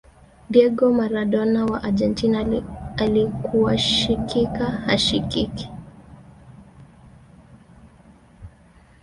diego maradona wa argentina alikuwashikika hashikiki